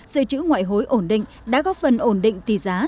sự chữ ngoại hối ổn định đã góp phần ổn định tỷ giá